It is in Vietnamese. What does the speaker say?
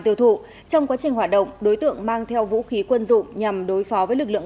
tiêu thụ trong quá trình hoạt động đối tượng mang theo vũ khí quân dụng nhằm đối phó với lực lượng